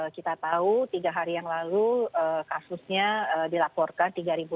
kita tahu tiga hari yang lalu kasusnya dilaporkan tiga